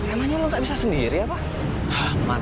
emangnya lu gak bisa sendiri apa